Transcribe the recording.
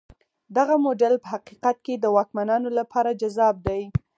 دغه موډل په حقیقت کې د واکمنانو لپاره جذاب دی.